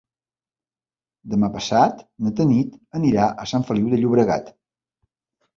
Demà passat na Tanit anirà a Sant Feliu de Llobregat.